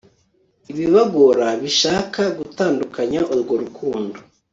ibibagora bishaka gutandukanya urwo rukundo